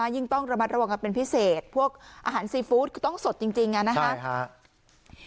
ยิ่งต้องระมัดระวังกันเป็นพิเศษพวกอาหารซีฟู้ดคือต้องสดจริงนะครับ